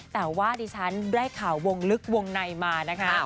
แต่ว่าดิฉันได้ข่าววงลึกวงในมานะคะ